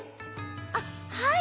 あっはい。